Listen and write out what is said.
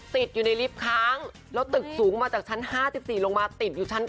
ติดอยู่ในลิฟต์ค้างแล้วตึกสูงมาจากชั้น๕๔ลงมาติดอยู่ชั้น๙